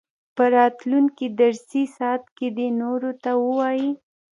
په راتلونکي درسي ساعت کې دې نورو ته ووايي.